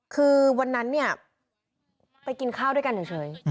คือวันนั้นเนี่ยไปกินข้าวด้วยกันเฉย